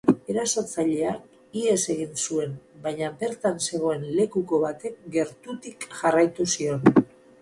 Erasotzaileak ihes egin zuen, baina bertan zegoen lekuko batek gertutik jarraitu zion.